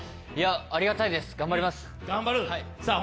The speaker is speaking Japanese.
ありがたいです頑張ります。